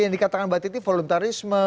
yang dikatakan mbak titi voluntarisme